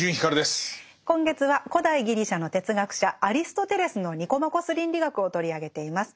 今月は古代ギリシャの哲学者アリストテレスの「ニコマコス倫理学」を取り上げています。